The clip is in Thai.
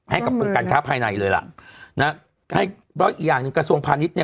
ให้กำลังกันค้าภายในเลยล่ะนะแล้วอีกอย่างกระทรวงพาณิชย์เนี่ย